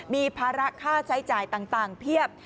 มีภาระค่าใช้จ่ายต่างเพียบ